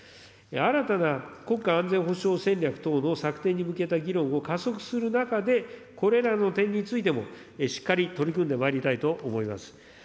新たな国家安全保障戦略等の策定に向けた議論を加速する中で、これらの点についても、しっかり取り組んでまいりたいと思います。